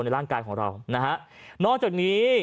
ในร่างกายของเรานะฮะนอกจากนี้